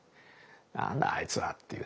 「なんだあいつは」っていうね。